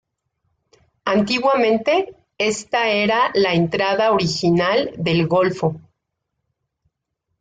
Antiguamente esta era la entrada original del golfo.